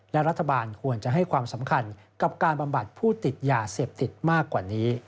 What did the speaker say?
และรัฐบาลควรจะให้ความสำคัญกับการบำบัดผู้ติดยาเสพติดมากกว่านี้